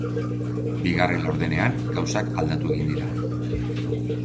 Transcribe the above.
Bigarren laurdenean gauzak aldatu egin dira.